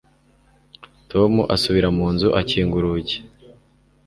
Tom asubira mu nzu akinga urugi